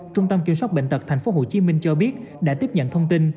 trung tâm kiểm soát bệnh tật tp hcm cho biết đã tiếp nhận thông tin